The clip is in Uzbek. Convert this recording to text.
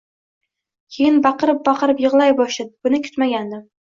Keyin baqirib-baqirib yig‘lay boshladi, buni kutmagandim